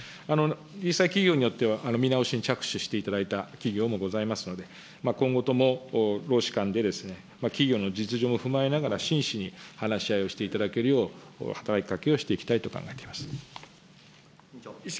実際、企業によっては、見直しに着手していただいた企業もございますので、今後とも労使間で企業の実情も踏まえながら、真摯に話し合いをしていただけるよう、働きかけをしていきたいと考えています。